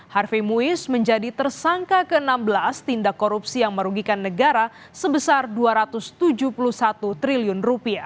harvey muiz menjadi tersangka ke enam belas tindak korupsi yang merugikan negara sebesar rp dua ratus tujuh puluh satu triliun